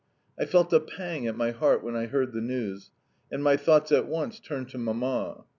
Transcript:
I felt a pang at my heart when I heard the news, and my thoughts at once turned to Mamma.